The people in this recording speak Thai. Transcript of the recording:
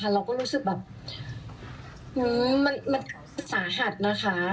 เราก็รู้สึกแบบมันสาหัสนะคะ